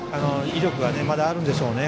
威力が、まだあるんでしょうね